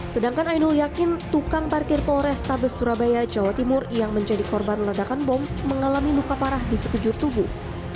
sedangkan ainul yakin tukang parkir polrestabes surabaya jawa timur yang menjadi korban ledakan bom mengalami luka parah di sekejur tubuh